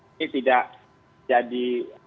ini tidak jadi